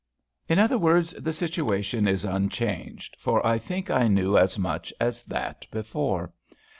"In other words, the situation is unchanged, for I think I knew as much as that before.